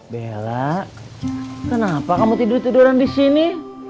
bella kenapa kamu tidur tiduran di sini